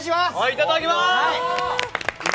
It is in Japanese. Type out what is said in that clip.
いただきます。